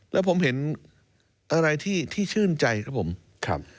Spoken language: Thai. แล้วผมเห็นอะไรที่ชื่นใจครับผมครับ